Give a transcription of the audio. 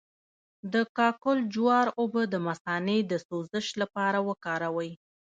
د کاکل جوار اوبه د مثانې د سوزش لپاره وڅښئ